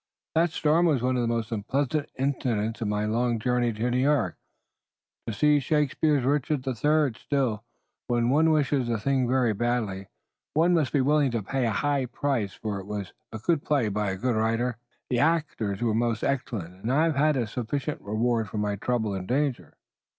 That storm was one of the most unpleasant incidents in my long journey to New York to see Shakespeare's 'Richard III.' Still, when one wishes a thing very badly one must be willing to pay a high price for it. It was a good play by a good writer, the actors were most excellent, and I have had sufficient reward for my trouble and danger."